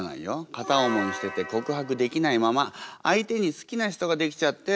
片思いしてて告白できないまま相手に好きな人ができちゃってあきらめなきゃいけない。